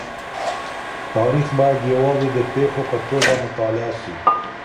تاریخ باید یوازې د پېښو په توګه مطالعه سي.